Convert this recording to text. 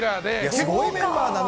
すごいメンバーだね。